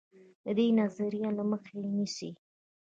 د دې نظریې مخه نیسي.